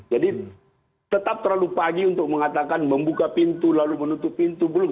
jadi tetap terlalu pagi untuk mengatakan membuka pintu lalu menutup pintu belum